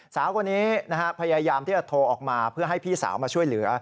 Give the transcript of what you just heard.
สาวคนนี้พยายามที่จะโทรออกมาเพื่อให้พี่สาวมาช่วยเหลือ